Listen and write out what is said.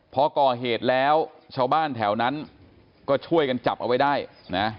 พอก่อเหตุแล้วชาวบ้านแถวนั้นก็ช่วยกันจับเอาไว้ได้นะ